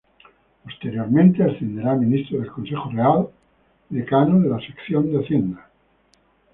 Posteriormente ascenderá a ministro del Consejo Real y decano de la Sección de Hacienda.